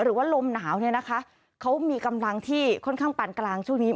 หรือว่าลมหนาวเนี่ยนะคะเขามีกำลังที่ค่อนข้างปานกลางช่วงนี้